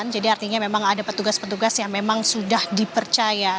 jadi artinya memang ada petugas petugas yang memang sudah dipercaya